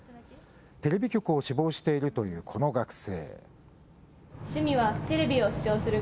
テレビ局を志望しているというこの学生。